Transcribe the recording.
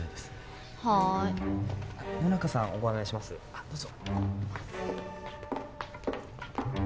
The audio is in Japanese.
あどうぞ。